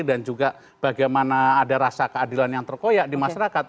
dan juga bagaimana ada rasa keadilan yang terkoyak di masyarakat